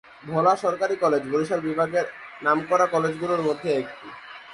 ভোলা সরকারি কলেজ বরিশাল বিভাগ এর নামকরা কলেজগুলোর মধ্যে একটি।